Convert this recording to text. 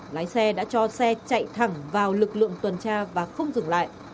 lái xe đã cho xe chạy thẳng vào lực lượng tuần tra và không dừng lại